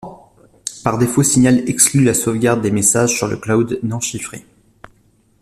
Par défaut, Signal exclut la sauvegarde des messages sur le cloud non chiffré.